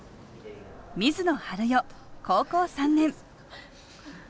水野春予高校３年。